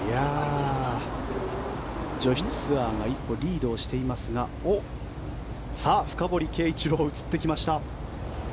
女子ツアーが一歩リードをしていますが深堀圭一郎が映ってきました。